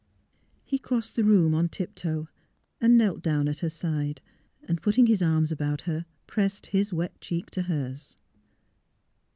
He crossed the room on tiptoe and knelt down at her side, and putting his arms about her pressed his wet cheek to hers.